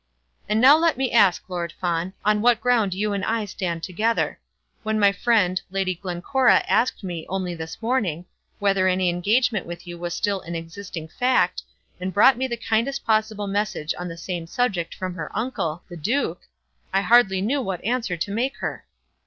"And now let me ask, Lord Fawn, on what ground you and I stand together. When my friend, Lady Glencora, asked me, only this morning, whether my engagement with you was still an existing fact, and brought me the kindest possible message on the same subject from her uncle, the duke, I hardly knew what answer to make her."